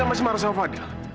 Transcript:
kamila masih marah sama fadil